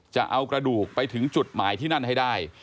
จะเอากระดูกไปถึงจุดหมายที่นั่นให้ได้